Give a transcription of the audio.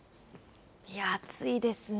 いや、暑いですね。